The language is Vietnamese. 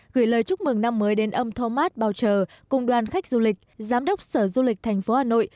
gửi lời chúc mừng năm mới đến ông thomas bao trờ cùng đoàn khách du lịch giám đốc sở du lịch thành phố hà nội